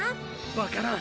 わからん。